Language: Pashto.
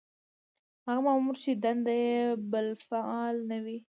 هغه مامور چې دنده یې بالفعل نه وي.